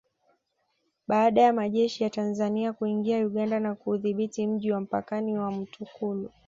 Baada ya majeshi ya Tanzania kuingia Uganda na kuudhibiti mji wa mpakani wa Mtukula